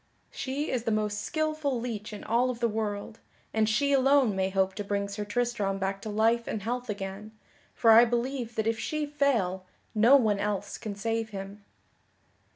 She is the most skilful leech in all of the world, and she alone may hope to bring Sir Tristram back to life and health again, for I believe that if she fail no one else can save him."